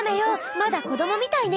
まだ子どもみたいね。